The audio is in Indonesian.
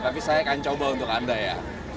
tapi saya akan coba untuk anda ya